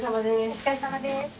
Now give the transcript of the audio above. お疲れさまです。